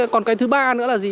còn cái thứ ba nữa là gì